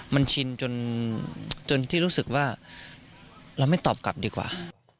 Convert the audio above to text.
มันชินจนที่รู้สึกว่าเราไม่ตอบกลับดีกว่า